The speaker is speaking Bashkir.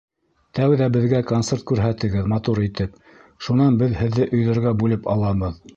Тәүҙә беҙгә концерт күрһәтегеҙ матур итеп, шунан беҙ һеҙҙе өйҙәргә бүлеп алабыҙ.